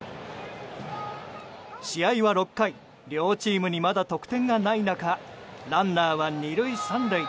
試合は６回、両チームにまだ得点がない中ランナーは２塁、３塁。